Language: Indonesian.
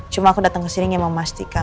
cuma aku dateng kesini ngamang memastikan